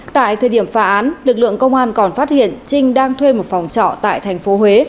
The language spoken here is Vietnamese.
tại thời điểm phá án lực lượng công an còn phát hiện trinh đang thuê một phòng trọ tại thành phố huế